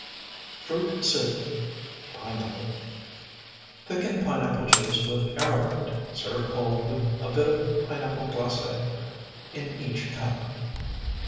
FRUIT SOUP (PINEAPPLE) Thicken pineapple juice with arrowroot. Serve cold with a bit of pineapple glace in each cup.